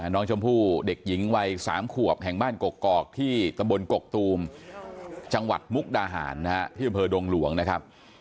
น้องชมพู่เด็กหญิงวัย๓ขวบแห่งบ้านกกอกที่ตะบนกกตูมจังหวัดมุกดาหารนะฮะที่อำเภอดงหลวงนะครับ